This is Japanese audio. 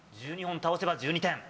１２本倒せば１２点。